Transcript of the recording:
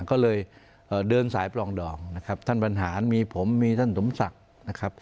ก็เลยเดินสายปลองดองท่านบรรหารมีผมมีท่านสมศักดิ์